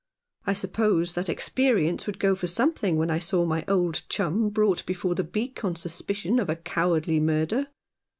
I suppose that ex perience would go for something when I saw my 200 Chums. old chum brought before the Beak on suspicion' of a cowardly murder.